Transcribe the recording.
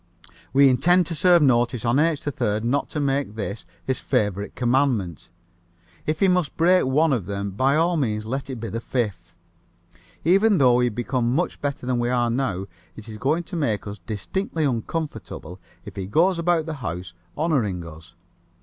We intend to serve notice on H. 3rd not to make this his favorite Commandment. If he must break one of them, by all means let it be the Fifth. Even though we become much better than we are now, it is going to make us distinctly uncomfortable if he goes about the house honoring us.